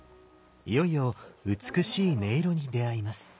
いよいよ美しい音色に出会います。